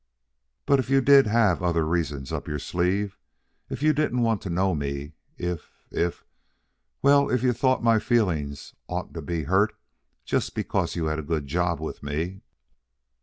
But if you did have that other reason up your sleeve, if you didn't want to know me, if if, well, if you thought my feelings oughtn't to be hurt just because you had a good job with me..."